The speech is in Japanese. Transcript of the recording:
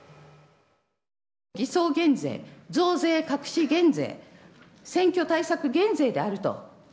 偽装減税、増税隠し減税、選挙対策減税であると。